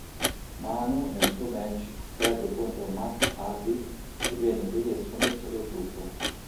Manu nel suo match perde contro Matt Hardy e viene così estromesso dal gruppo.